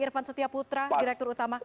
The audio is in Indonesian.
irvan setia putra direktur utama